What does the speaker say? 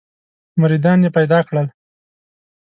مریدان یې پیدا کړل.